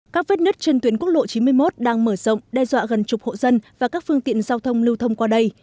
các vết nứt trên tuyến quốc lộ chín mươi một đang mở rộng đe dọa gần chục hộ dân và các phương tiện giao thông lưu thông qua đây